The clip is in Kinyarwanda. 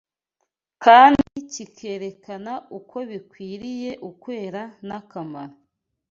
kandi kikerekana uko bikwiriye ukwera n’akamaro